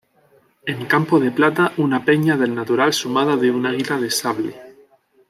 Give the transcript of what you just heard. En campo de plata una peña del natural sumada de un águila de sable.